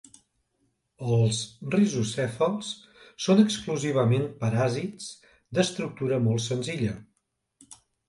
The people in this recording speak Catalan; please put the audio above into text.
Els rizocèfals són exclusivament paràsits d'estructura molt senzilla.